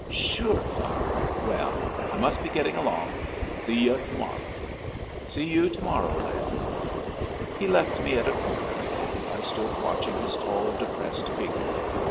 "Sure fun! Well, I must be getting along. See yu' to morrow." "See you to morrow, Lin." He left me at a corner, and I stood watching his tall, depressed figure.